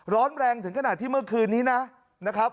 ร้อนแรงถึงขนาดที่เมื่อคืนนี้นะครับ